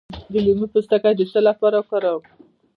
د لیمو پوستکی د څه لپاره وکاروم؟